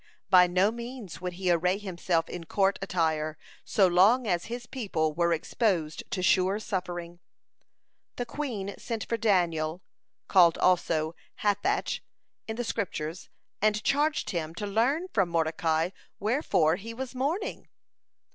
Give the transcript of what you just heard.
By no means would he array himself in court attire so long as his people was exposed to sure suffering. (128) The queen sent for Daniel, called also Hathach in the Scriptures, and charged him to learn from Mordecai wherefore he was mourning.